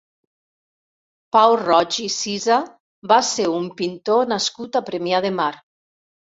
Pau Roig i Cisa va ser un pintor nascut a Premià de Mar.